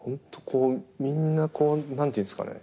こうみんなこう何て言うんですかね